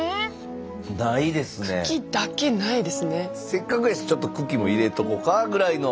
せっかくやしちょっと茎も入れとこかぐらいの。